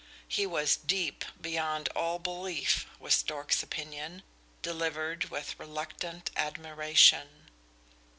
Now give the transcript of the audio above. He was deep beyond all belief, was Stork's opinion, delivered with reluctant admiration.